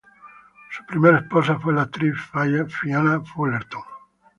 Su primera esposa fue la actriz Fiona Fullerton.